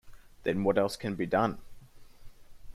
Then what else can be done?